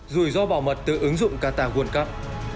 rủi ro bảo mật từ ứng dụng qatar world cup